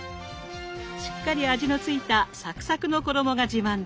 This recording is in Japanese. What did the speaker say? しっかり味のついたサクサクの衣が自慢です。